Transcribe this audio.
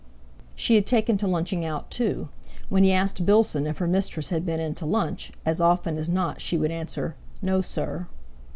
She had taken to lunching out too; when he asked Bilson if her mistress had been in to lunch, as often as not she would answer: "No, sir."